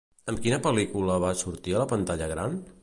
Amb quina pel·lícula va sortir a la pantalla gran?